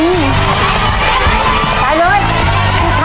เอาเร็ว